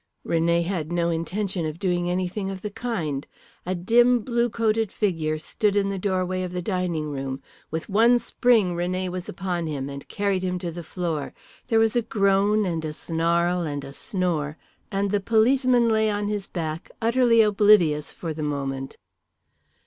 René had no intention of doing anything of the kind. A dim, blue coated figure stood in the doorway of the dining room. With one spring René was upon him, and carried him to the floor. There was a groan and a snarl and a snore, and the policeman lay on his back utterly oblivious for the moment.